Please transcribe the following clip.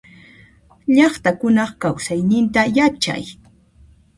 Llaqtakunaq kausayninta yachay.